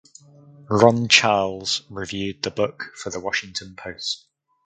Ron Charles reviewed the book for the "Washington Post".